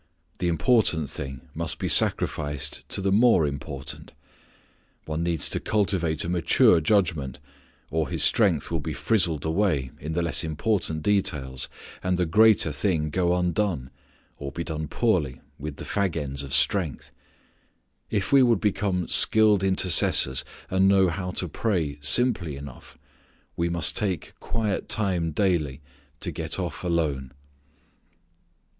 The important thing must be sacrificed to the more important. One needs to cultivate a mature judgment, or his strength will be frizzled away in the less important details, and the greater thing go undone, or be done poorly with the fag ends of strength. If we would become skilled intercessors, and know how to pray simply enough, we must take quiet time daily to get off alone.